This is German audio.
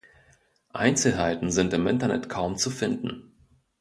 Einzelheiten sind im Internet kaum zu finden.